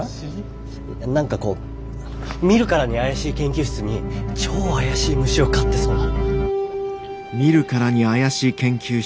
何かこう見るからに怪しい研究室に超怪しい虫を飼ってそうな。